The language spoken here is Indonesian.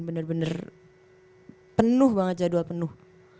bener bener penuh banget jadwal penuh